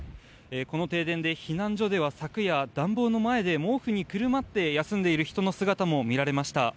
この停電で避難所では昨夜暖房の前で毛布にくるまって休んでいる人の姿も見られました。